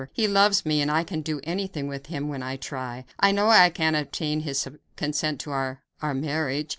He loves me, and I can do anything with him when I try. I know I can obtain his consent to our our marriage.